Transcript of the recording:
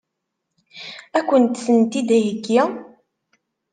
Ad kent-tent-id-iheggi?